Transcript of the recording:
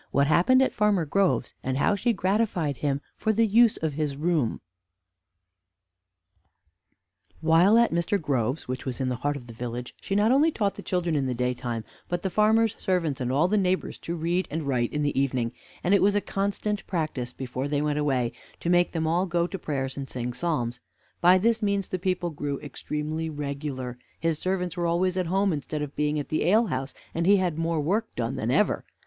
IV WHAT HAPPENED AT FARMER GROVE'S, AND HOW SHE GRATIFIED HIM FOR THE USE OF HIS ROOM While at Mr. Grove's, which was in the heart of the village, she not only taught the children in the daytime, but the farmer's servants and all the neighbors to read and write in the evening; and it was a constant practice, before they went away, to make them all go to prayers and sing psalms. By this means the people grew extremely regular, his servants were always at home instead of being at the alehouse, and he had more work done than ever.